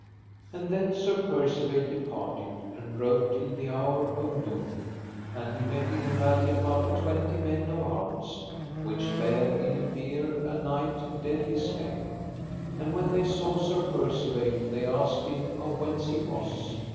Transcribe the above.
And then Sir Percivale departed and rode till the hour of noon. And he met in a valley about a twenty men of arms, which bare in a bier a knight deadly slain. And when they saw Sir Percivale they asked him of whence he was.